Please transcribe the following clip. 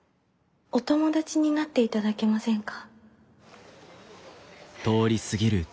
お友達になっていただけませんか？